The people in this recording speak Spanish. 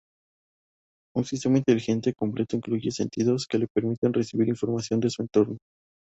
Un sistema inteligente completo incluye "sentidos" que le permiten recibir información de su entorno.